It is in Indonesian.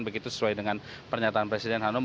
begitu sesuai dengan pernyataan presiden hanum